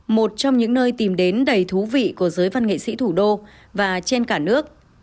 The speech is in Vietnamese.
một trong những nơi tìm đến đầy thú vị của giới văn nghệ sĩ thủ đô và trên cả nước